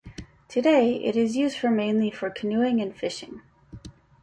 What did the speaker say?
Today, it is used for mainly for canoeing and fishing.